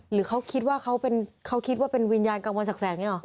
หรือเขาคิดว่าเป็นวิญญาณกลางวนสักแสงนี่หรอ